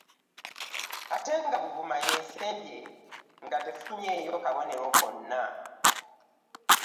Ate nga Buvuma y'esembye nga tefunyeeyo kabonero konna.